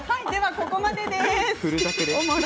ここまでです。